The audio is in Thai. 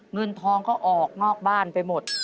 เงินทองก็ออกนอกบ้านไปหมด